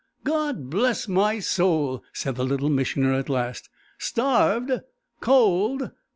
"God bless my soul!" said the Little Missioner at last. "Starved? Cold?